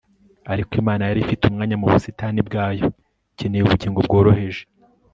ariko imana yari ifite umwanya mu busitani bwayo ikeneye ubugingo bworoheje